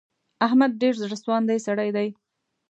احمد ډېر زړه سواندی سړی دی.